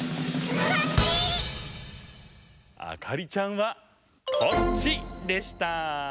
あかりちゃんはこっちでした！